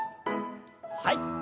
はい。